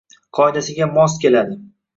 qoidasiga mos keladi.